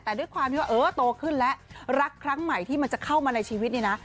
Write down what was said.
แต่ด้วยความที่ว่าเออโตขึ้นแล้วรักครั้งใหม่ที่มันจะเข้ามาในชีวิตเนี่ยนะ